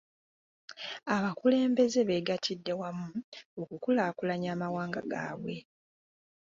Abakulembeze beegatidde wamu okukulaakulanya amawanga gaabwe.